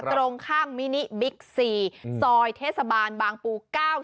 ตรงข้ามมินิบิ๊กซีซอยเทศบาลบางปู๙๑